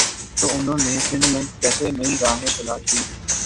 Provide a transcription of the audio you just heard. تو انہوں نے سندھ میں کیسے نئی راہیں تلاش کیں۔